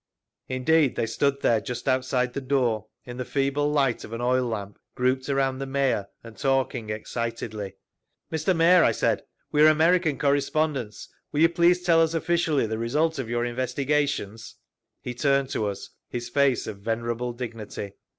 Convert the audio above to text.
Indeed they stood there just outside the door, in the feeble light of an oil lamp, grouped around the Mayor and talking excitedly. "Mr. Mayor," I said, "we are American correspondents. Will you please tell us officially the result of your investigations?" He turned to us his face of venerable dignity.